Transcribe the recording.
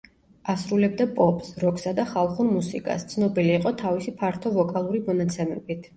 ასრულებდა პოპს, როკსა და ხალხურ მუსიკას; ცნობილი იყო თავისი ფართო ვოკალური მონაცემებით.